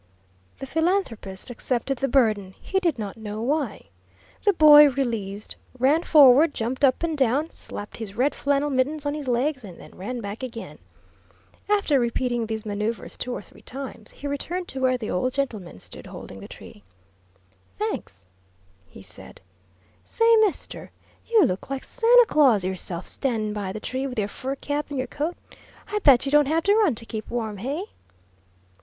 The philanthropist accepted the burden he did not know why. The boy, released, ran forward, jumped up and down, slapped his red flannel mittens on his legs, and then ran back again. After repeating these manoeuvres two or three times, he returned to where the old gentleman stood holding the tree. "Thanks," he said. "Say, mister, you look like Santa Claus yourself, standin' by the tree, with your fur cap and your coat. I bet you don't have to run to keep warm, hey?"